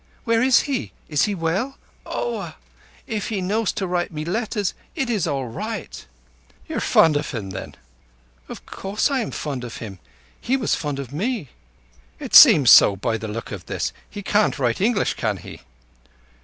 "Where is he? Is he well? Oah! If he knows to write me letters, it is all right." "You're fond of him then?" "Of course I am fond of him. He was fond of me." "It seems so by the look of this. He can't write English, can he?"